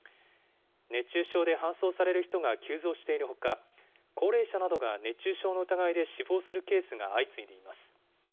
熱中症で搬送される人が急増しているほか、高齢者などが熱中症の疑いで死亡するケースが相次いでいます。